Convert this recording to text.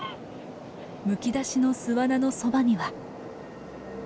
むき出しの巣穴のそばには。